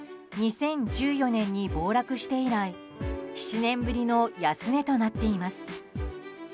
２０１４年に暴落して以来７年ぶりの安値となっています。